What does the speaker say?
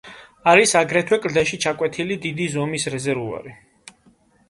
არის აგრეთვე კლდეში ჩაკვეთილი დიდი ზომის რეზერვუარი.